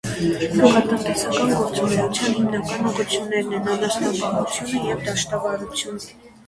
Գյուղատնտեսական գործունեության հիմնական ուղղություններն են անասնապահությունը և դաշտավարությունը։